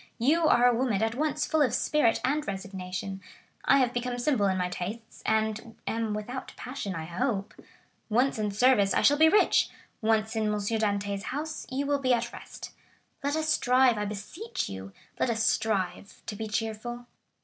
You are a woman at once full of spirit and resignation; I have become simple in my tastes, and am without passion, I hope. Once in service, I shall be rich—once in M. Dantès' house, you will be at rest. Let us strive, I beseech you,—let us strive to be cheerful."